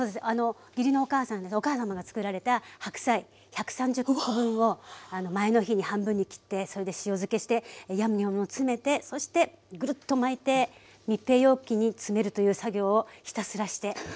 お母さまがつくられた白菜１３０コ分を前の日に半分に切ってそれで塩漬けしてヤムニョムを詰めてそしてグルッと巻いて密閉容器に詰めるという作業をひたすらして。